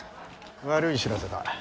悪い知らせだ。